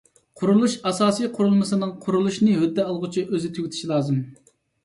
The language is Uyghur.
قۇرۇلۇش ئاساسىي قۇرۇلمىسىنىڭ قۇرۇلۇشىنى ھۆددە ئالغۇچى ئۆزى تۈگىتىشى لازىم.